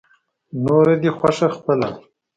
نوره دې خوښه خپله.